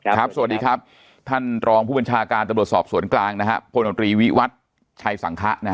สวัสดีครับท่านรองผู้บัญชาการตำรวจสอบสวนกลางนะฮะพลโนตรีวิวัตรชัยสังคะนะฮะ